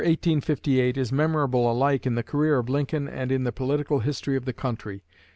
The year 1858 is memorable alike in the career of Lincoln and in the political history of the country.